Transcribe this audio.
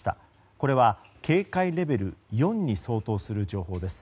これは警戒レベル４に相当する情報です。